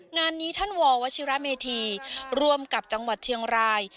งานนี้ท่านววชิระเมธีร่วมกับจังหวัดเชียงราย